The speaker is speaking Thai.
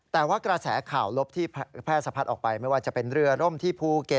แต่ว่ากระแสข่าวลบที่แพร่สะพัดออกไปไม่ว่าจะเป็นเรือร่มที่ภูเก็ต